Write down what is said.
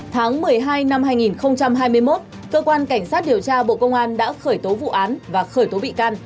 tháng một mươi hai năm hai nghìn hai mươi một cơ quan cảnh sát điều tra bộ công an đã khởi tố vụ án và khởi tố bị can